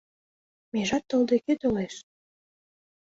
Межат толде кӧ толеш